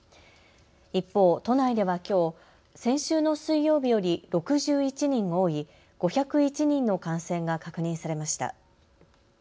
一方、都内ではきょう、先週の水曜日より６１人多い５０１人の感染が確認されました。